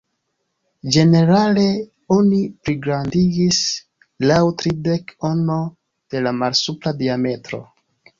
Ĝenerale oni pligrandigis laŭ tridek-ono de la malsupra diametro.